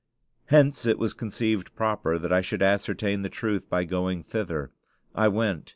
Hence it was conceived proper that I should ascertain the truth by going thither. I went.